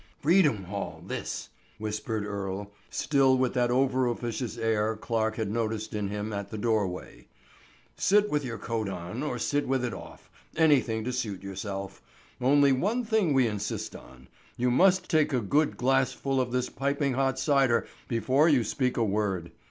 "Freedom Hall, this!" whispered Earle, still with that over officious air Clarke had noticed in him at the doorway. "Sit with your coat on, or sit with it off; anything to suit yourself; only one thing we insist on—you must take a good glass full of this piping hot cider before you speak a word.